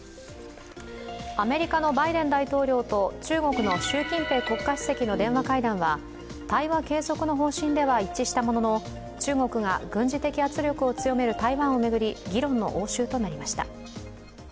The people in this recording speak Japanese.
アメリカのバイデン大統領と中国の習近平国家主席の電話会談は対話継続の方針では一致したものの、中国が軍事的圧力を強める台湾を巡り議論の応酬となりました。